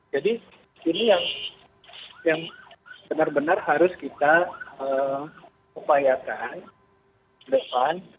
jadi ini yang benar benar harus kita upayakan